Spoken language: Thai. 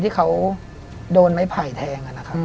ที่เขาโดนไม้ไผ่แทง